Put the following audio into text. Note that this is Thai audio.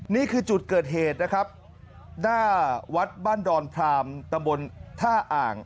นี่คือจุดเกิดเหตุนะครับหน้าวัดบ้านดอนพรามตะบนท่าอ่าง